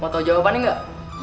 mau tau jawabannya gak